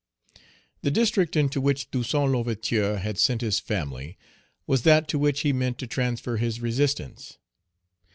THE district into which Toussaint L'Ouverture had sent his family was that to which he meant to transfer his resistance.